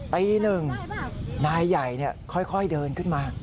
ตีหนึ่งนายใหญ่ค่อยเดินขึ้นมา